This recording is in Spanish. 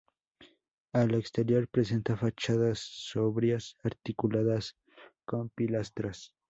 Al exterior presenta fachadas sobrias articuladas con pilastras.